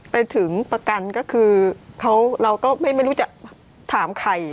ไปถึงประกันก็คือเราก็ไม่รู้จะถามใคร